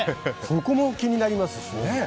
そこも気になりますしね。